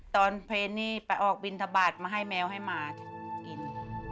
เพลงนี้ไปออกบินทบาทมาให้แมวให้หมากิน